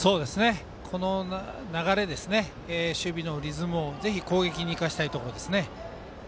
この流れ、守備のリズムをぜひ攻撃に生かしたいですね。